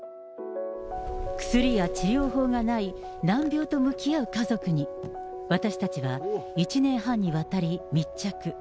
薬や治療法がない難病と向き合う家族に、私たちは１年半にわたり密着。